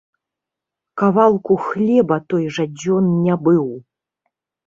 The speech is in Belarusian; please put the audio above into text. Кавалку хлеба той жадзён не быў.